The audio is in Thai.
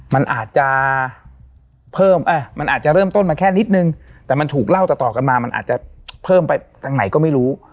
มันอาจจะเพิ่มมันอาจจะเริ่มต้นมาแค่นิดนึงแต่มันถูกเล่าต่อกันมามันอาจจะเพิ่มไปทางไหนก็ไม่รู้